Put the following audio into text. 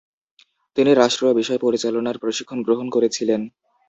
তিনি রাষ্ট্রীয় বিষয় পরিচালনার প্রশিক্ষণ গ্রহণ করেছিলেন।